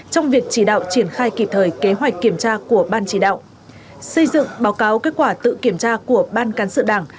trong việc chỉ đạo triển khai kịp thời kế hoạch kiểm tra của ban chỉ đạo xây dựng báo cáo kết quả tự kiểm tra của ban cán sự đảng